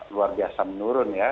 luar biasa menurun ya